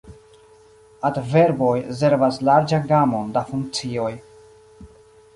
Adverboj servas larĝan gamon da funkcioj.